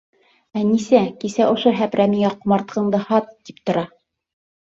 Әнисә, кисә ошо һәпрә миңә ҡомартҡыңды һат, тип тора.